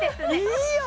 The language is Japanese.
いいよ！